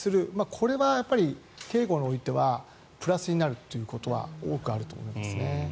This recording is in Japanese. これは警護においてはプラスになるということは多くあると思いますね。